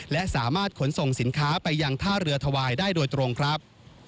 และสามารถขนส่งสินค้าไปยังท่าเรือถวายได้โดยตรงครับ